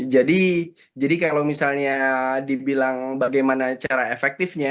jadi kalau misalnya dibilang bagaimana cara efektifnya